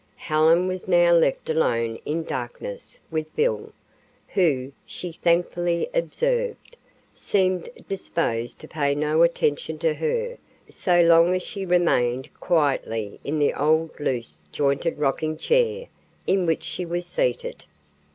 Helen was now left alone in darkness with Bill, who, she thankfully observed, seemed disposed to pay no attention to her so long as she remained quietly in the old loose jointed rockingchair in which she was seated.